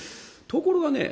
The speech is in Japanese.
ところがね